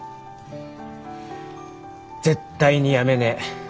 絶対に辞めねえ。